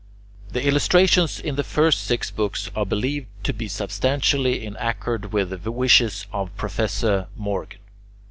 The illustrations in the first six books are believed to be substantially in accord with the wishes of Professor Morgan.